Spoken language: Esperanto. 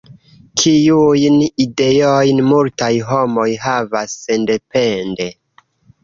Kiujn ideojn multaj homoj havas sendepende?